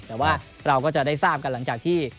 แต่ว่าเราก็จะได้ทราบกันหลังจากที่